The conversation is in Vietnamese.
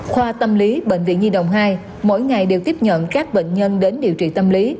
khoa tâm lý bệnh viện nhi đồng hai mỗi ngày đều tiếp nhận các bệnh nhân đến điều trị tâm lý